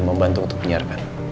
membantu untuk menyiarkan